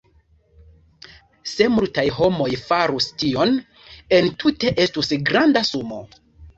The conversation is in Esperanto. Se multaj homoj farus tion, entute estus granda sumo.